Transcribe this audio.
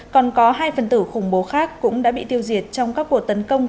còn có hai phần tử khủng bố khác cũng đã bị tiêu diệt trong các cuộc tấn công